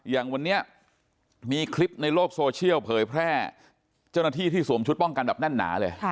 อย่างวันนี้มีคลิปในโลกโซเชียลเผยแพร่เจ้าหน้าที่ที่สวมชุดป้องกันแบบแน่นหนาเลย